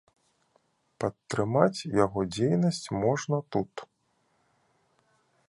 Падтрымаць яго дзейнасць можна тут.